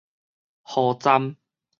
雨站